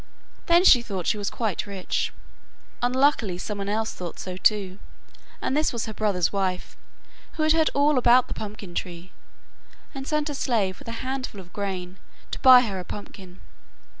Then she thought she was quite rich. Unluckily someone else thought so too, and this was her brother's wife, who had heard all about the pumpkin tree, and sent her slave with a handful of grain to buy her a pumpkin.